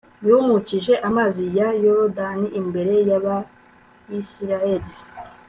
yumukije amazi ya yorudani imbere y'abayisraheli